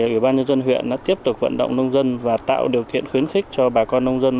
ủy ban nhân dân huyện đã tiếp tục vận động nông dân và tạo điều kiện khuyến khích cho bà con nông dân